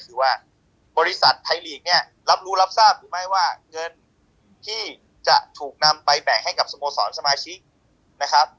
คือว่าบริษัทไทยลีกเนี่ยรับรู้รับทราบหรือไม่ว่าเงินที่จะถูกนำไปแบ่งให้กับสโมสรสมาชิกนะครับ